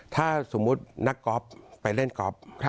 ถ้าสมมุตินักกอล์ฟไปเล่นก๊อฟ